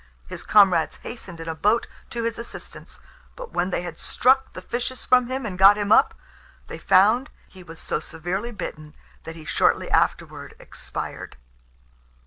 His comrades hastened in a boat to his assistance; but when they had struck the fishes from him and got him up, they found he was so severely bitten, that he shortly afterward expired.